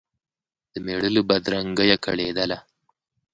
د مېړه له بدرنګیه کړېدله